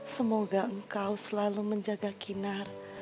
semoga engkau selalu menjaga kinar